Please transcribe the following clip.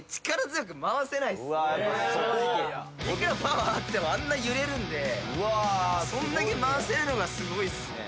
いくらパワーあってもあんな揺れるんでそんだけ回せるのがすごいっすね。